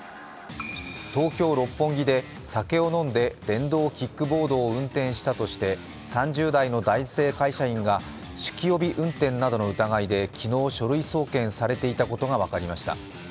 東京・六本木で酒を飲んで電動キックボードを運転したとして３０代の男性会社員が酒気帯び運転などの疑いで昨日、書類送検されていたことが分かりました。